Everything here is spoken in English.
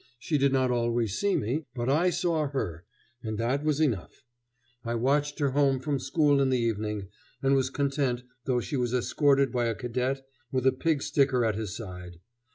She did not always see me, but I saw her, and that was enough. I watched her home from school in the evening, and was content, though she was escorted by a cadet with a pig sticker at his side.